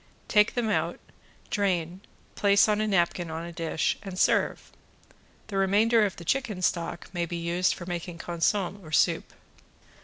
Take them out, drain, place on a napkin on a dish and serve. The remainder of the chicken stock may be used for making consomme or soup.